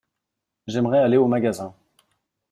J’aimerais aller au magasin.